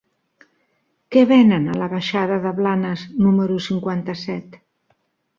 Què venen a la baixada de Blanes número cinquanta-set?